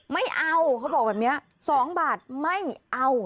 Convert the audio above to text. ไม่เอาเขาบอกแบบนี้๒บาทไม่เอา